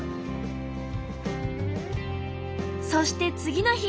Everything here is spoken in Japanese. そして次の日。